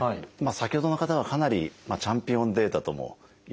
先ほどの方はかなりチャンピオンデータとも言っていいような。